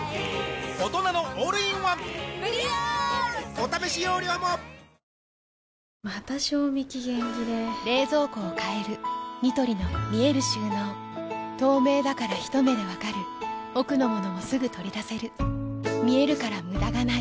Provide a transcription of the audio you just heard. お試し容量もまた賞味期限切れ冷蔵庫を変えるニトリの見える収納透明だからひと目で分かる奥の物もすぐ取り出せる見えるから無駄がないよし。